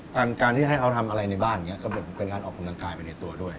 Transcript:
การที่ให้เขาทำอะไรในบ้านอย่างนี้ก็เหมือนเป็นการออกกำลังกายไปในตัวด้วย